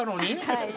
はい。